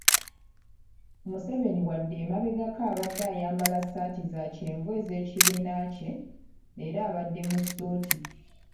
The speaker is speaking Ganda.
Museveni wadde emabegako abadde ayambala ssaati za kyenvu ez'ekibiina kye, leero abadde mu ssuuti.